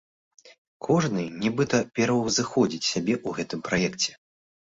Кожны нібыта пераўзыходзіць сябе ў гэтым праекце.